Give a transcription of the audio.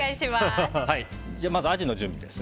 まず、アジの準備です。